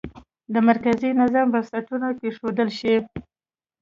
د مرکزي نظام بنسټونه کېښودل شي.